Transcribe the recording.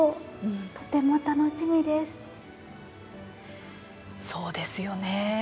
とても楽しみです。